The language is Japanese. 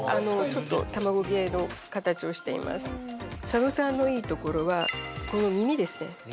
ちょっと卵系の形をしています佐野さんのいいところはこの耳ですね